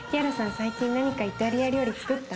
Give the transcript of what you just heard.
最近何かイタリア料理つくった？